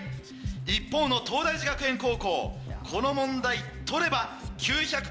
一方の東大寺学園高校この問題取れば９００ポイント。